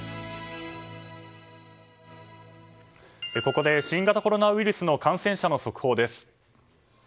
ここで新型コロナウイルスの感染者の速報です。